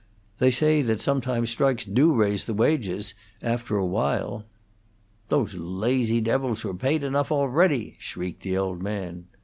They say that sometimes strikes do raise the wages, after a while." "Those lazy devils were paid enough already," shrieked the old man.